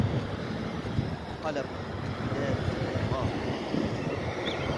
وقلم مداده تراب